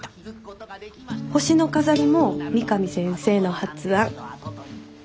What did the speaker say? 星の飾りも三上先生の発案。